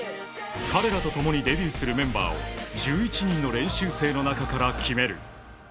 彼らとともにデビューするメンバーを１１人の練習生の中から決める。